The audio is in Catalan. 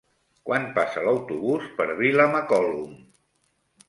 Quan passa l'autobús per Vilamacolum?